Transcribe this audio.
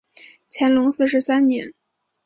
乾隆四十三年。